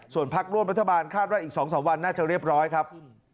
ส่วนพักร่วมรัฐบาลคาดว่าอีก๒๓วันน่าจะเรียบร้อยครับ